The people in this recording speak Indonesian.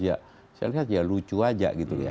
ya saya lihat ya lucu aja gitu ya